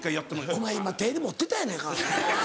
お前今手で持ってたやないか。